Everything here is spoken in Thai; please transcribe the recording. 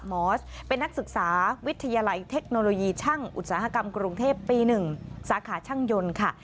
มอสเป็นนักศึกษาวิทยาลัยเทคโนโลยีช่างอุตสาหกรรมกรุงเทพปี๑สาขาช่างยนต์ค่ะ